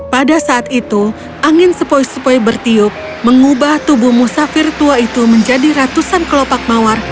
pada saat itu angin sepoi sepoi bertiup mengubah tubuh musafir tua itu menjadi ratusan kelopak mawar